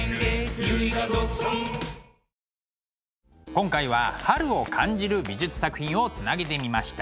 今回は春を感じる美術作品をつなげてみました。